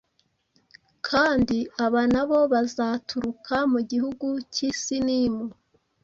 kandi aba nabo bazaturuka mu gihugu cy’ i Sinimu.